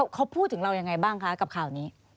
เขาพูดถึงเรายังไงบ้างคะกับข่าวนี้